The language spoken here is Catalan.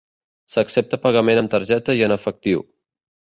S'accepta pagament amb targeta i en efectiu.